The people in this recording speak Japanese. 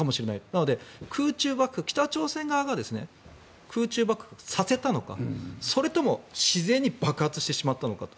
なので北朝鮮側が空中爆発させたのかそれとも自然に爆発してしまったのかと。